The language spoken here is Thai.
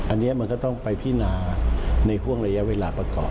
อันนี้มันก็ต้องไปพินาในห่วงระยะเวลาประกอบ